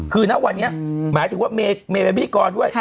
คือณวันนี้หมายถึงว่าเมย์เป็นพิธีกรด้วย